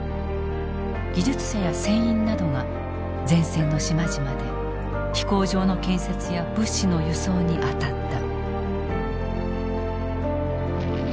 技術者や船員などが前線の島々で飛行場の建設や物資の輸送に当たった。